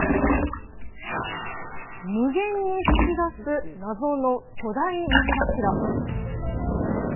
無限に噴き出す謎の巨大水柱。